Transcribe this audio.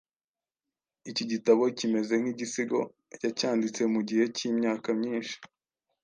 iki gitabo kimeze nk’igisigo yacyanditse mu gihe cy’imyaka myinshi.